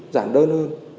giản đơn hơn